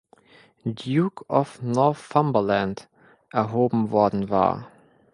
Duke of Northumberland erhoben worden war.